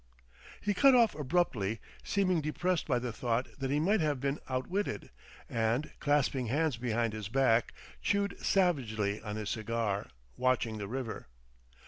He cut off abruptly, seeming depressed by the thought that he might have been outwitted; and, clasping hands behind his back, chewed savagely on his cigar, watching the river.